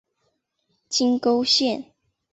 金沟线